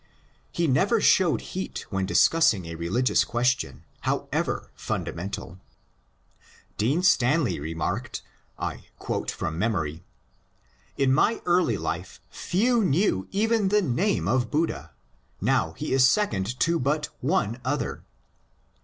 He never showed heat when discussing a religious question, however fundamental. Dean Stanley remarked (I quote from memory) :" In my early life few knew even the name of Buddha ; now he is second to but one other."